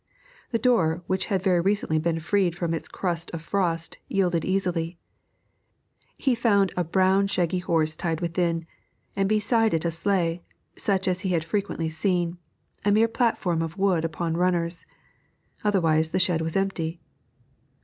The door, which had very recently been freed from its crust of frost, yielded easily. He found a brown shaggy horse tied within, and beside it a sleigh, such as he had frequently seen, a mere platform of wood upon runners. Otherwise the shed was empty.